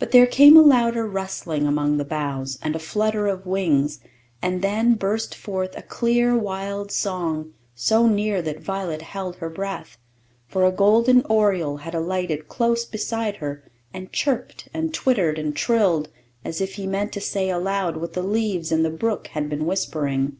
But there came a louder rustling among the boughs, and a flutter of wings, and then burst forth a clear, wild song, so near that Violet held her breath; for a golden oriole had alighted close beside her, and chirped, and twittered, and trilled, as if he meant to say aloud what the leaves and the brook had been whispering.